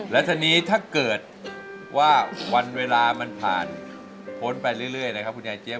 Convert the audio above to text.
และทีนี้ถ้าเกิดว่าวันเวลามันผ่านพ้นไปเรื่อยนะครับคุณยายเจี๊ย